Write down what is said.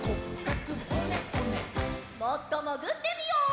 もっともぐってみよう。